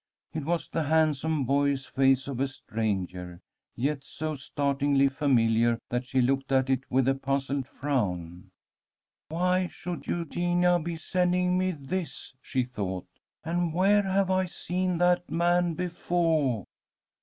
It was the handsome boyish face of a stranger, yet so startlingly familiar that she looked at it with a puzzled frown. "Why should Eugenia be sending me this?" she thought. "And where have I seen that man befoah?"